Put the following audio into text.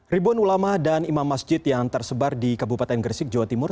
ribuan ulama dan imam masjid yang tersebar di kabupaten gresik jawa timur